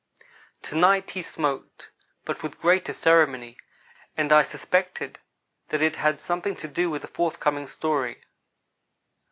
To night he smoked; but with greater ceremony, and I suspected that it had something to do with the forthcoming story.